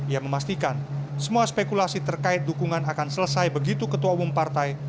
ia memastikan semua spekulasi terkait dukungan akan selesai begitu ketua umum partai